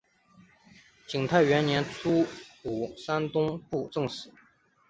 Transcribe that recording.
景泰元年出补山东布政使。